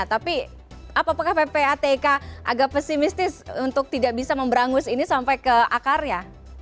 tapi apakah ppatk agak pesimistis untuk tidak bisa memberangus ini sampai ke akarnya